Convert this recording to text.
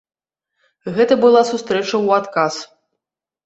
Гэта была сустрэча ў адказ.